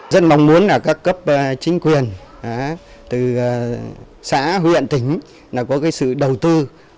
rất mong muốn là các cấp chính quyền từ xã huyện tỉnh có sự đầu tư